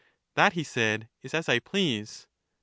That, he said, is as I please.